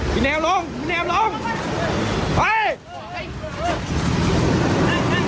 มันเนียมลงมันเนียมลง